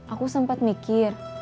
aku sempat mikir